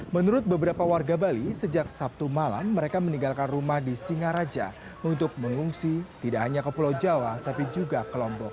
menurut beberapa warga bali sejak sabtu malam mereka meninggalkan rumah di singaraja untuk mengungsi tidak hanya ke pulau jawa tapi juga ke lombok